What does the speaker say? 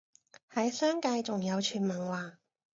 喺商界仲有傳聞話